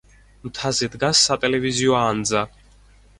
მთაზე დგას სატელევიზიო ანძა.